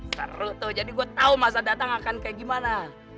seru tuh jadi gue tahu masa datang akan kayak gimana